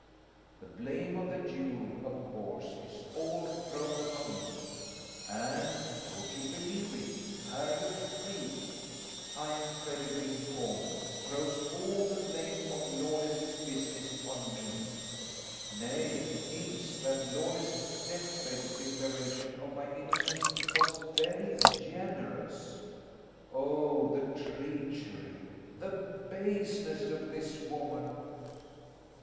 The blame of the duel, of course, is all thrown upon me. And (would you believe it?) Harriot Freke, I am credibly informed, throws all the blame of Lawless's business on me; nay, hints that Lawless's deathbed declaration of my innocence was very generous. Oh, the treachery, the baseness of this woman!